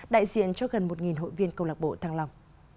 đại diện cho gần một hội viên công lạc bộ thăng long